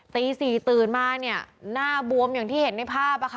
ตี๔ตื่นมาเนี่ยหน้าบวมอย่างที่เห็นในภาพ